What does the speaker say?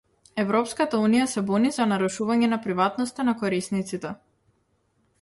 Европската Унија се буни за нарушување на приватноста на корисниците.